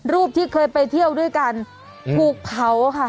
รูปที่เคยไปเที่ยวด้วยกันถูกเผาค่ะ